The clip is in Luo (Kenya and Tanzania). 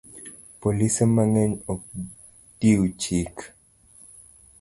Polise mang'eny ok dew chik